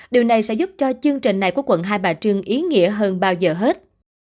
điều này sẽ giúp cho chương trình này của quận hai bà trưng ý nghĩa hơn bao giờ hết